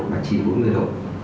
và chi vũ mưa đầu